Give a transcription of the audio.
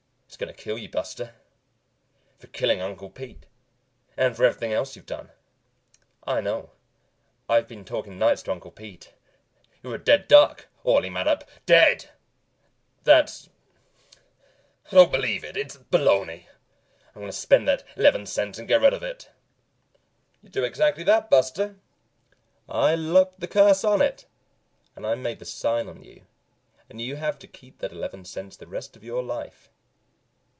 "It's gonna kill you, Buster, for killing Uncle Pete, and for everything else you've done. I know. I've been talking nights to Uncle Pete. You're a dead duck, Orley Mattup! Dead!" "That's I don't believe it, it's baloney! I'm going to spend that eleven cents and get rid of it." "You do exactly that, Buster. I locked the curse on it, and I made the sign on you, and you have to keep that eleven cents the rest of your life.